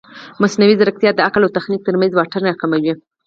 مصنوعي ځیرکتیا د عقل او تخنیک ترمنځ واټن راکموي.